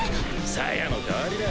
鞘の代わりだ。